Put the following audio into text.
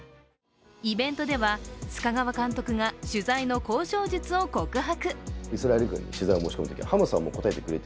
イベントでは、須賀川監督が取材の交渉術を告白。